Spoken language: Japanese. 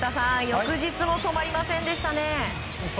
翌日も止まりませんでしたね。